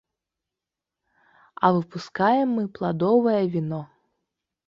А выпускаем мы пладовае віно.